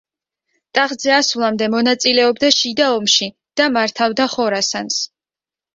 ტახტზე ასვლამდე მონაწილეობდა შიდა ომში და მართავდა ხორასანს.